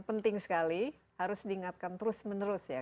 penting sekali harus diingatkan terus menerus ya